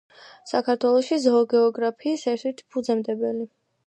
საქართველოში ზოოგეოგრაფიის ერთ-ერთი ფუძემდებელი.